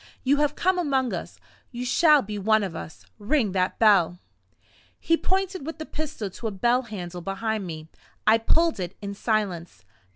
You have come among us you shall be one of us. Ring that bell." He pointed with the pistol to a bell handle behind me. I pulled it in silence.